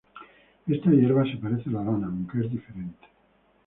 Esta hierba se parece a la lana, aunque es diferente".